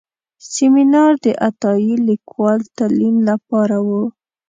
سیمینار د عطایي لیکوال تلین لپاره و.